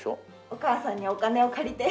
お母さんにお金を借りて。